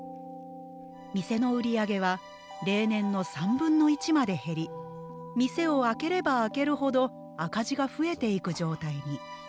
店の売り上げは例年の３分の１まで減り店を開ければ開けるほど赤字が増えていく状態に。